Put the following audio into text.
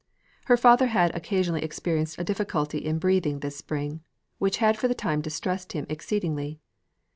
Her father had occasionally experienced a difficulty in breathing this spring, which had for the time distressed him exceedingly.